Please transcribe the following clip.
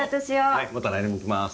はいまた来年も来ます。